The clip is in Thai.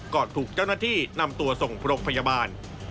ถูกเจ้าหน้าที่นำตัวส่งพยาบาล